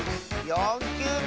４きゅうめ。